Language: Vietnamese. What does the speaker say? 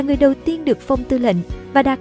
người đầu tiên được phong tư lệnh và đạt